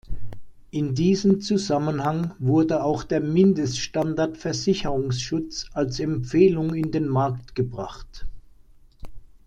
In diesem Zusammenhang wurde auch der "Mindeststandard Versicherungsschutz" als Empfehlung in den Markt gebracht.